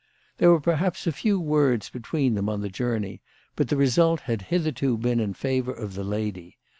There were perhaps a few words between them on the journey, but the result had hitherto been in favour of the lady.